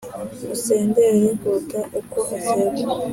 musendere kuruta uko akeka